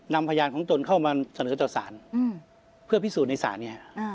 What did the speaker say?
นำพยานของตนเข้ามาเสนอต่อสารเพื่อพิสูจน์ในศาลเนี่ย